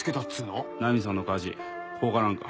ナミさんの火事放火なんか？